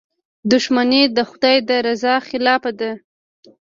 • دښمني د خدای د رضا خلاف ده.